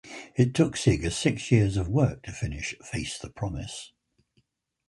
It took Seger six years of work to finish "Face The Promise".